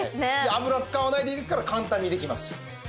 油使わないでいいですから簡単にできますし。